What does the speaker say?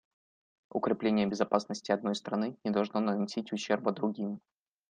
Укрепление безопасности одной страны не должно наносить ущерба другим.